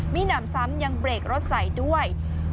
มีหนำซ้ำยังเบรกรถใส่ด้วย